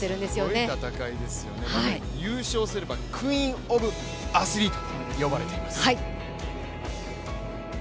すごい戦いですよね、優勝すればクイーンオブアスリートと呼ばれています。